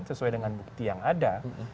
sesuai dengan bukti yang ada